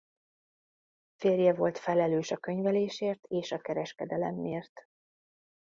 Férje volt felelős a könyvelésért és a kereskedelemért.